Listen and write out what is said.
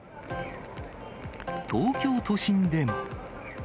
東京都心でも。